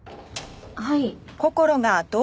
はい。